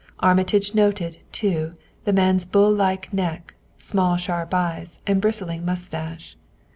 Armitage noted, too, the man's bull like neck, small sharp eyes and bristling mustache.